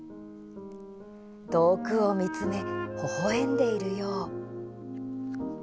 遠くを見つめほほえんでいるよう。